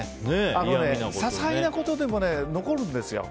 些細なことでも残るんですよ。